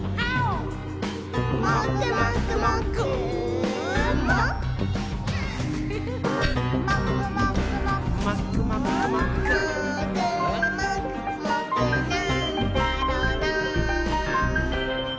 「もーくもくもくなんだろなぁ」